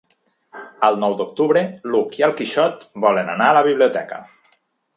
El nou d'octubre n'Hug i en Quixot volen anar a la biblioteca.